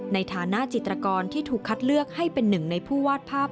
ในฐานะจิตรกรที่ถูกคัดเลือกให้เป็นหนึ่งในผู้วาดภาพ